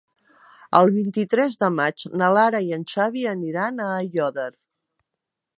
El vint-i-tres de maig na Lara i en Xavi aniran a Aiòder.